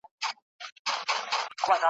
زه به دا وروستي نظمونه ستا په نامه ولیکم `